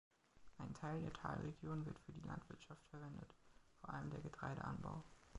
Ein Teil der Talregion wird für die Landwirtschaft verwendet, vor allem der Getreideanbau.